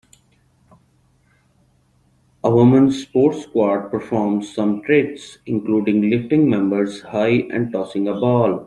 A women 's sports squad performs some tricks, including lifting members high and tossing a ball.